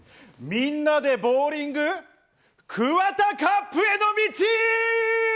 みんなでボウリング、ＫＵＷＡＴＡＣＵＰへの道！